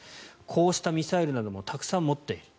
こうしたミサイルなどもたくさん持っている。